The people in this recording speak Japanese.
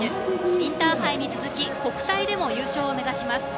インターハイに続き国体でも優勝を目指します。